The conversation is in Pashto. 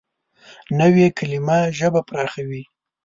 نوې کلیمه ژبه پراخوي